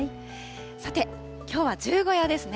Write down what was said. さて、きょうは十五夜ですね。